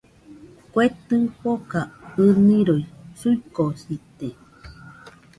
Kue tɨfoka ɨniroi suikosite